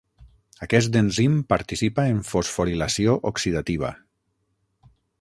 Aquest enzim participa en fosforilació oxidativa.